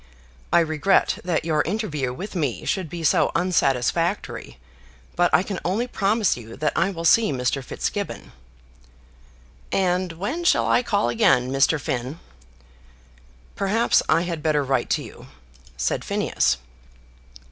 I regret that your interview with me should be so unsatisfactory, but I can only promise you that I will see Mr. Fitzgibbon." "And when shall I call again, Mr. Finn?" "Perhaps I had better write to you," said Phineas.